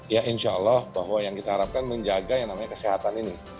ya insya allah bahwa yang kita harapkan menjaga yang namanya kesehatan ini